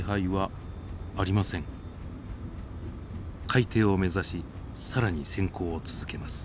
海底を目指し更に潜航を続けます。